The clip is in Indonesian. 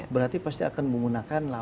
berarti pasti akan menggunakan